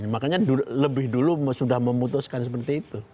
makanya lebih dulu sudah memutuskan seperti itu